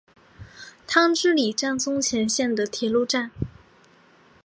汤之里站松前线的铁路站。